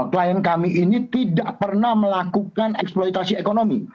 klien kami ini tidak pernah melakukan eksploitasi ekonomi